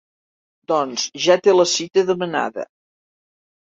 Doncs ja té la cita demanada.